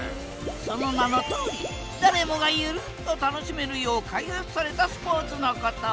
その名のとおり誰もがゆるっと楽しめるよう開発されたスポーツのこと。